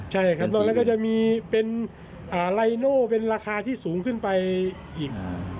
ใช่ครับนอกนั้นก็จะมีเป็นไลโน่เป็นราคาที่สูงขึ้นไปอีก